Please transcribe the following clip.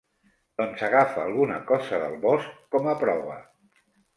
Doncs agafa alguna cosa del bosc com a prova.